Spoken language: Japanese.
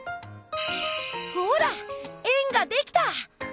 ほら円ができた！